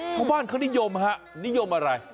ช่องบ้านเขานิยมนิยมอะไร